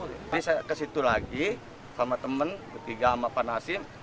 jadi saya ke situ lagi sama temen ketiga sama pak nasim